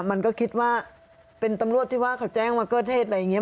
มันก็คิดว่าเป็นตำรวจที่ว่าเขาแจ้งมาเกิดเหตุอะไรอย่างนี้